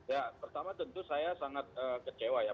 ya pertama tentu saya sangat kecewa ya